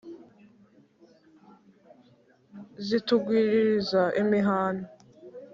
zitugwiririza imihana